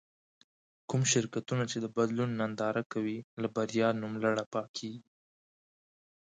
کوم شرکتونه چې د بدلون ننداره کوي له بريا نوملړه پاکېږي.